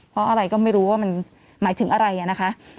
เพราะอะไรก็ไม่รู้ว่ามันหมายถึงอะไรนะคะ